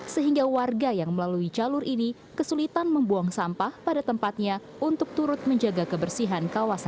sehingga warga yang melalui jalur ini kesulitan membuang sampah pada tempatnya untuk turut menjaga kebersihan kawasan